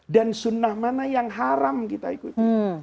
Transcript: dan sunnah mana yang haram kita ikuti